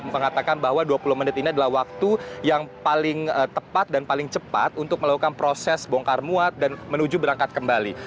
mengatakan bahwa dua puluh menit ini adalah waktu yang paling tepat dan paling cepat untuk melakukan proses bongkar muat dan menuju berangkat kembali